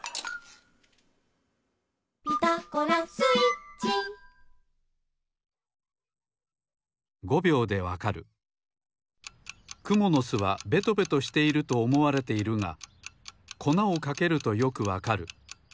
「ピタゴラスイッチ」くものすはベトベトしているとおもわれているがこなをかけるとよくわかる。